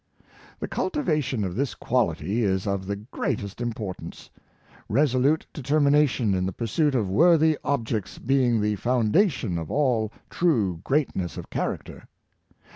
The cultivation of this quality is of the greatest im portance; resolute determination in the pursuit of w^orthy objects being the foundation of all true great ness of character.